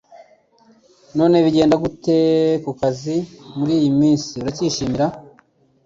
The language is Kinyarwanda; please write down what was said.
None bigenda gute kukazi muriyi minsi? Uracyishimira?